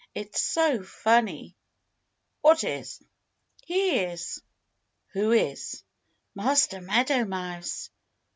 "It's so funny!" "What is?" "He is!" "Who is?" "Master Meadow Mouse!"